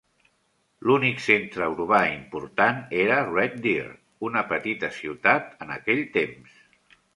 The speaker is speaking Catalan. L'únic centre urbà important era Red Deer, una petita ciutat en aquell temps.